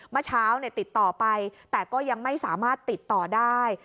เมื่อเช้าติดต่อไปแต่ก็ยังไม่สามารถติดต่อได้